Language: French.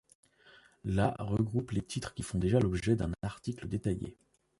La regroupe les titres qui font déjà l'objet d'un article détaillé.